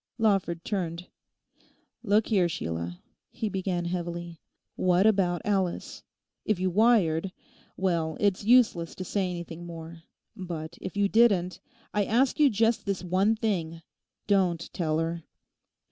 Lawford turned. 'Look here, Sheila,' he began heavily, 'what about Alice? If you wired: well, it's useless to say anything more. But if you didn't, I ask you just this one thing. Don't tell her!